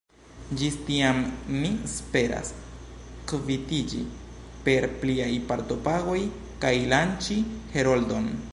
Ĝis tiam mi esperas kvitiĝi per pliaj partopagoj kaj lanĉi Heroldon.